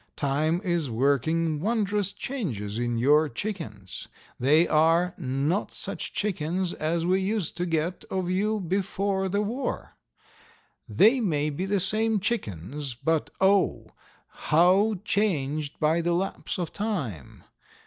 Time is working wondrous changes in your chickens. They are not such chickens as we used to get of you before the war. They may be the same chickens, but oh! how changed by the lapse of time!